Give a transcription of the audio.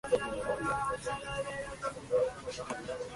El resultado es una delicia para el paladar.